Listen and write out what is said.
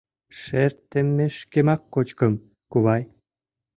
— Шер теммешкемак кочкым, кувай.